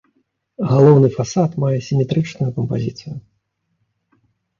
Галоўны фасад мае сіметрычную кампазіцыю.